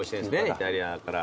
イタリアから。